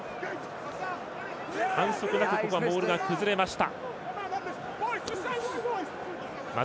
反則なくモールが崩れました。